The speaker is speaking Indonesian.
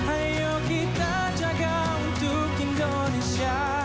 ayo kita jaga untuk indonesia